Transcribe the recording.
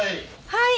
はい！